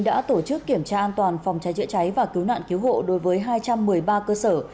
đã tổ chức kiểm tra an toàn phòng trái trịa trái và cứu nạn cứu hộ đối với hai trăm một mươi ba cơ sở